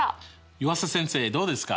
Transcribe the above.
湯浅先生どうですか？